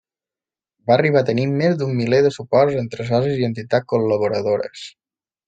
Va arribar a tenir més d'un miler de suports entre socis i entitats col·laboradores.